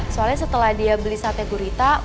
soalnya setelah dia beli sate gurita